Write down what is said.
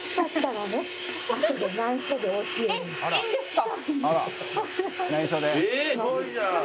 えっいいんですか？